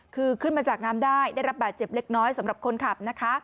คือขึ้นมาจากน้ำได้ได้รับบาดเจ็บเล็กน้อยสำหรับคนขับนะคะ